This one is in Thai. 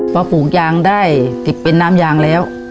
ป้าผงยางได้กินเป็นน้ำยางแล้ว